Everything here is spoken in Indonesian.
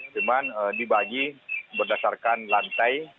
cuman dibagi berdasarkan lantai